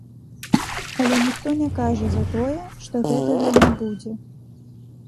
Але ніхто не кажа за тое, што гэтага не будзе.